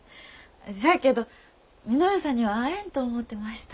しゃあけど稔さんには会えんと思うてました。